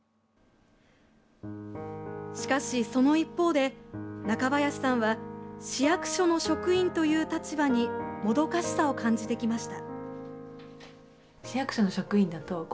しかし、その一方で中林さんは市役所の職員という立場にもどかしさを感じてきました。